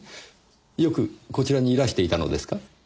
よくこちらにいらしていたのですか？